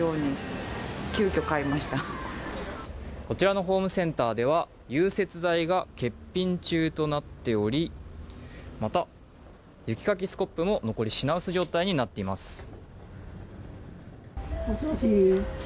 こちらのホームセンターでは融雪剤が欠品中となっておりまた、雪かきスコップも残り品薄状態になっています。